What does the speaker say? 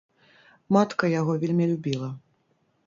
Матка яго вельмі любіла.